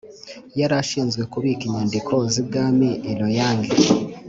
yari ashinzwe kubika inyandiko z’i bwami i loyang